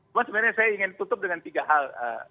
cuma sebenarnya saya ingin tutup dengan tiga hal